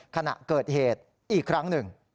ขณะเกิดเหตุอีกครั้งหนึ่ง